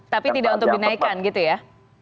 tapi tidak untuk dinaikkan gitu ya